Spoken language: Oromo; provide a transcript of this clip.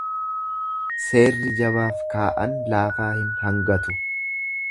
Seerri jabaaf kaa'an laafaa hin hangatu.